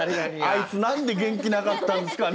「あいつ何で元気なかったんすかね」。